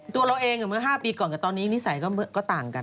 ตัวเราเอง๕ปีก่อนกับตอนนี้นิสัยก็ต่างกัน